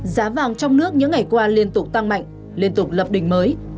giá vàng trong nước những ngày qua liên tục tăng mạnh liên tục lập đỉnh mới